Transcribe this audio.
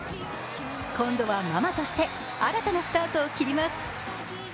今度はママとして、新たなスタートを切ります。